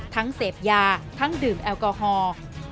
เสพยาทั้งดื่มแอลกอฮอล์